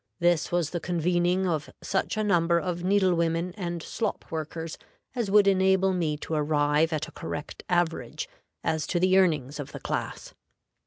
This was the convening of such a number of needle women and slop workers as would enable me to arrive at a correct average as to the earnings of the class.